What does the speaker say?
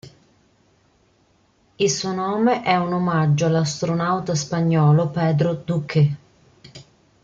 Il suo nome è un omaggio all'astronauta spagnolo Pedro Duque.